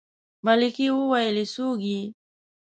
ملکې وويلې څوک يې.